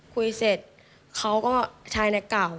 คุยเสร็จเขาก็ชายในเก่า